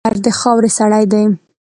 بزګر د خاورې سړی دی